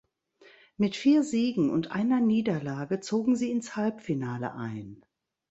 Mit vier Siegen und einer Niederlage zogen sie ins Halbfinale ein.